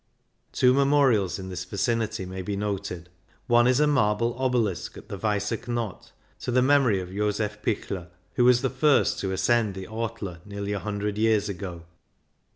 Two memorials in this vicinity may be noted : one is a marble obelisk at the Weisse Knott to the memory of Josef Pichler, who was the first to ascend the Ortler, nearly a hundred years ago.